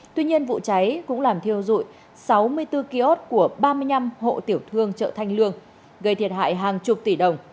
tuy nhiên vụ cháy cũng làm thiêu dụi sáu mươi bốn kiosk của ba mươi năm hộ tiểu thương chợ thanh lương gây thiệt hại hàng chục tỷ đồng